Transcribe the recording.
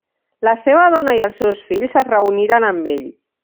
La seva dona i els seus fills es reuniren amb ell.